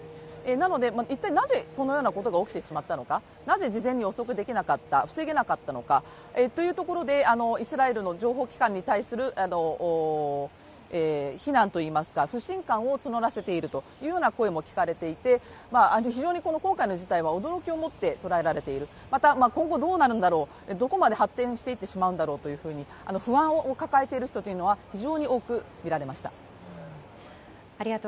なので、一体、なぜこのようなことが起きてしまったのかなぜ事前に予測できなかったのか防げなかったのかというところでというところで、イスラエルの情報機関に対する非難といいますか、不信感を募らせているというような声も聞かれていて非常に、今回の事態は驚きを持って感じられているまた今後どうなるんだろう、どこまで発展してしまうんだろうと不安を抱えている人は非常に多くみられました。